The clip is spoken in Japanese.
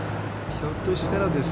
ひょっとしたらですね